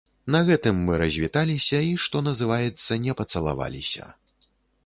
На гэтым мы развіталіся і, што называецца, не пацалаваліся.